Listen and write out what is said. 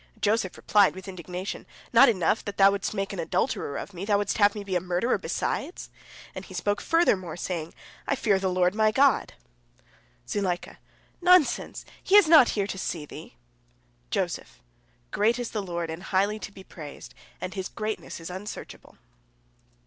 Joseph replied with indignation, "Not enough that thou wouldst make an adulterer of me, thou wouldst have me be a murderer, besides?" And he spoke furthermore, saying, "I fear the Lord my God!" Zuleika: "Nonsense! He is not here to see thee! Joseph: "Great is the Lord and highly to be praised, and His greatness is unsearchable."